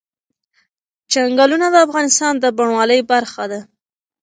چنګلونه د افغانستان د بڼوالۍ برخه ده.